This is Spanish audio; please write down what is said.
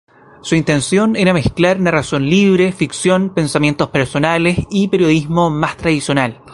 Su intención era mezclar narración libre, ficción, pensamientos personales y periodismo más tradicional.